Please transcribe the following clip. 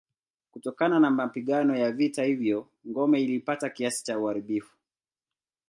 Kutokana na mapigano ya vita hivyo ngome ilipata kiasi cha uharibifu.